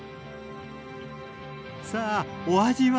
さあお味は？